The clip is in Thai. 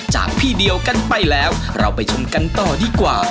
จากที่เดียวกันไปแล้วเราไปชมกันต่อดีกว่า